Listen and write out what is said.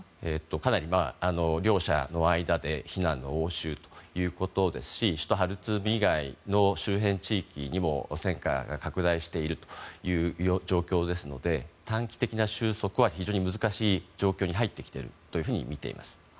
かなり両者の間で非難の応酬ということですし首都ハルツーム以外の周辺地域にも戦火が拡大しているという状況ですので短期的な収束は非常に難しい状況に入ってきているとみています。